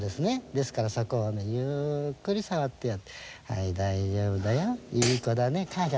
ですからそこをゆっくり触ってやって大丈夫だよ、いい子だね。